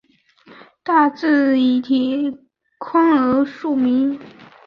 大冶以铁矿而著名。